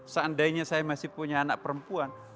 seandainya saya masih punya anak perempuan